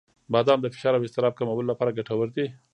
• بادام د فشار او اضطراب کمولو لپاره ګټور دي.